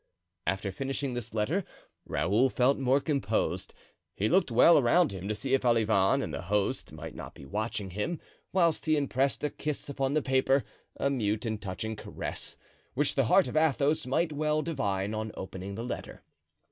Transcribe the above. After finishing this letter Raoul felt more composed; he looked well around him to see if Olivain and the host might not be watching him, whilst he impressed a kiss upon the paper, a mute and touching caress, which the heart of Athos might well divine on opening the letter.